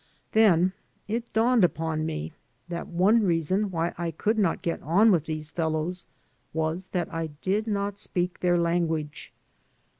Then it dawned upon me that one reason why I could not get on with these fellows was that I did not speak their language.